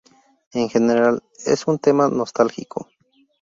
En general es un tema nostálgico.